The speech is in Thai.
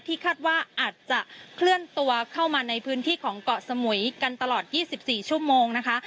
คาดว่าอาจจะเคลื่อนตัวเข้ามาในพื้นที่ของเกาะสมุยกันตลอด๒๔ชั่วโมงนะคะ